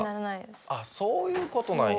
あっそういう事なんや。